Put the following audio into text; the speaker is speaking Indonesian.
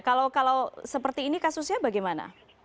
kalau seperti ini kasusnya bagaimana